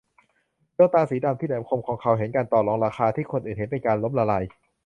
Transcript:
ดวงตาสีดำที่แหลมคมของเขาเห็นการต่อรองราคาที่คนอื่นเห็นเป็นการล้มละลาย